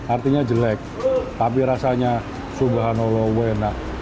artinya jelek tapi rasanya subhanallah wuena